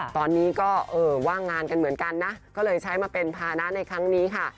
ตอนนี้ก็ว่างงานกันเหมือนกันนะก็เลยใช้มาเป็นภานะในครั้งนี้ค่ะ